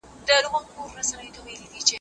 د مطالعې فرهنګ د انعام حقائقو سره بدل شوی دی.